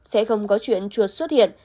sẽ không có chuyện chuột xuất hiện